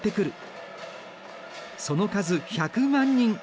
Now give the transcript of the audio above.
その数１００万人。